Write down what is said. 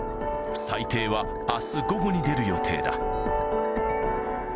裁定は、あす午後に出る予定だ。